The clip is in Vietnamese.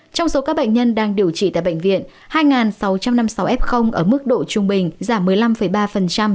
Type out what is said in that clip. trong số các bệnh nhân đang điều trị tại bệnh viện hai sáu trăm năm mươi sáu f ở mức độ trung bình giảm một mươi năm ba